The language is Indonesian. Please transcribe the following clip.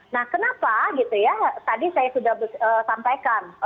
nah kenapa gitu ya tadi saya sudah sampaikan